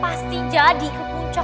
pasti jadi ke puncak